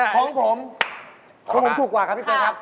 ของผมของผมถูกกว่าครับพี่เป๊กครับ